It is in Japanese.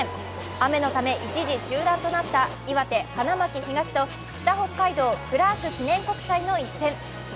雨のため一時中断となった岩手・花巻東と北北海・クラーク記念国際の一戦。